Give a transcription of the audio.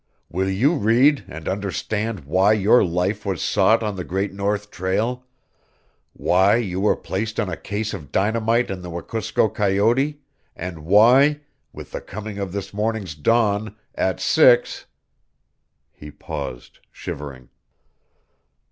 Will you read, and understand why your life was sought on the Great North Trail, why you were placed on a case of dynamite in the Wekusko coyote, and why, with the coming of this morning's dawn at six " He paused, shivering.